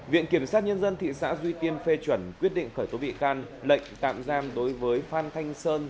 viện kiểm sát nhân dân thị xã duy tiên phê chuẩn quyết định khởi tố bị can lệnh tạm giam đối với phan thanh sơn